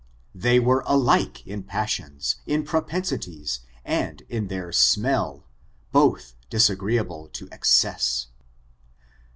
They were alike in passions, in propensities, and in their smdl^ bodi disagreeable to excess.